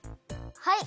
はい。